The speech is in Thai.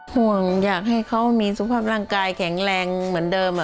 ห่วงอยากให้เขามีสุขภาพร่างกายแข็งแรงเหมือนเดิม